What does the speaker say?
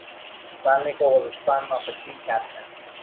Salnikov was the son of a sea captain.